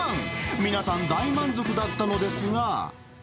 皆さん、大満足だったのですが。